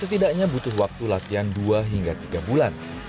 setidaknya butuh waktu latihan dua hingga tiga bulan